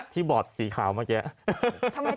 บอร์ดสีขาวเมื่อกี้